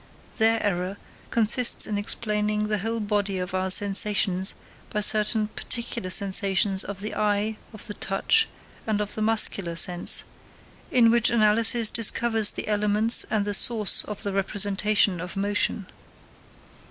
Their error consists in explaining the whole body of our sensations by certain particular sensations of the eye, of the touch, and of the muscular sense, in which analysis discovers the elements and the source of the representation of motion.